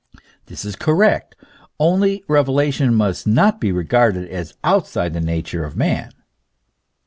This is correct ; only, revelation must not be regarded as outside the nature of man.